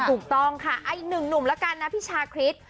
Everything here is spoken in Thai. ถูกต้องค่ะอีกหนึ่งหนุ่มแล้วกันนะพี่ชาคริส